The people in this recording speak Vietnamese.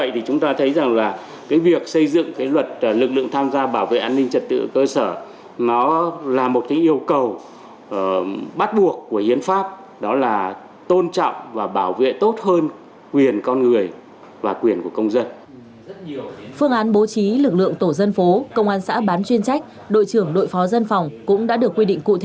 trong đó việc xây dựng ban hành luật lực lượng tham gia bảo vệ an ninh trật tự ở cơ sở và sắp xếp đổi mới hoàn thiện tổ chức bộ máy của hệ thống chính trị đồng thời bảo vệ an ninh trật tự ở cơ sở và sắp xếp đổi mới hoàn thiện tổ chức bộ máy của hệ thống chính trị đồng thời bảo vệ an ninh trật tự ở cơ sở